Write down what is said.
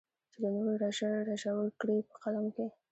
چې د نورو رژول کړې په قلم کې.